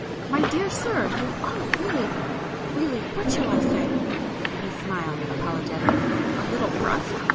"My dear sir!—you are really—really—! what shall I say?" and he smiled apologetically—"a little brusque?